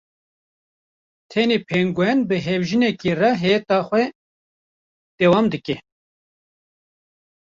tenê pengûen bi hevjînekê re heyeta xwe dewam dike.